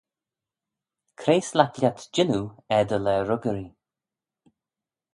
Cre s'laik lhiat jannoo er dty laa ruggyree?